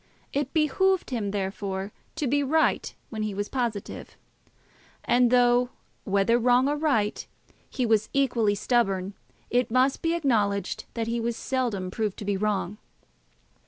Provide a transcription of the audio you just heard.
It behoved him, therefore, to be right when he was positive; and though whether wrong or right he was equally stubborn, it must be acknowledged that he was seldom proved to be wrong.